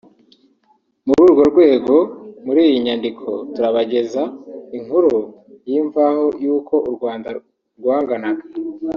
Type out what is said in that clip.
ni muri urwo rwego muri iyi nyandiko turabageza inkuru y’imvaho y’uko u Rwanda rwanganaga